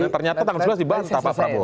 ternyata tanggal sebelas dibantah pak prabowo